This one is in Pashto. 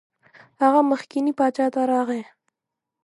هغه مخکني باچا ته راغی.